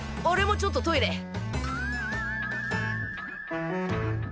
おれもちょっとトイレ！